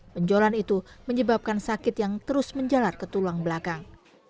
penjualan itu menyebabkan sakit yang terus menjalar ke tulang belakang